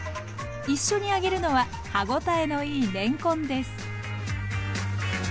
一緒に揚げるのは歯応えのいいれんこんです。